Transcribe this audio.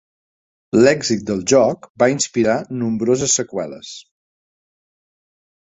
L'èxit del joc va inspirar nombroses seqüeles.